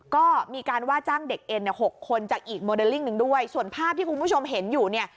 ก็มีการว่าจ้างเด็กเอ็นเนี่ยหกคนจากอีกโมเดลลิ่งหนึ่งด้วยส่วนภาพที่คุณผู้ชมเห็นอยู่เนี่ย